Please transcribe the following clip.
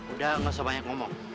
udah gak usah banyak ngomong